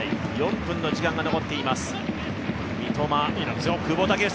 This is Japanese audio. ４分の時間が残っています。